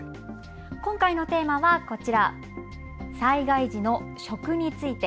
今回のテーマは災害時の食について。